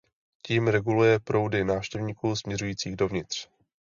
Tím reguluje proudy návštěvníků směřujících dovnitř.